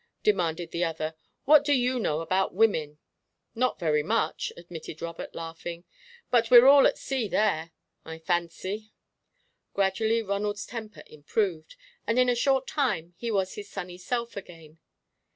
demanded the other. "What do you know about women?" "Not very much," admitted Robert, laughing; "but we're all at sea there, I fancy." Gradually Ronald's temper improved, and in a short time he was his sunny self again.